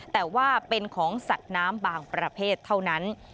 แต่ว่าเป็นของสัตว์น้ำบางประเภทเท่านั้น